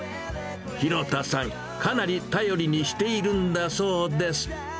廣田さん、かなり頼りにしているんだそうです。